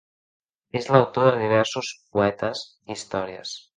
És l'autor de diversos poetes i històries.